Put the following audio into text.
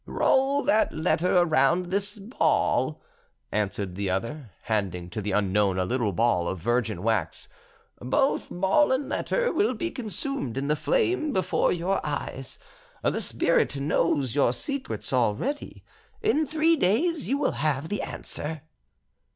"Roll that letter around this ball," answered the other, handing to the unknown a little ball of virgin wax. "Both ball and letter will be consumed in the flame before your eyes; the spirit knows your secrets already. In three days you will have the answer."